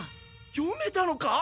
読めたのか！？